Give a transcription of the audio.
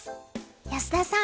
安田さん